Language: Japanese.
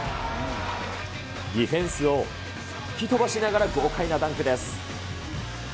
ディフェンスを吹き飛ばしながら豪快なダンクです。